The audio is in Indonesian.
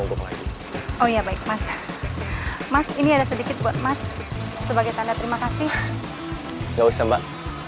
gak usah mbak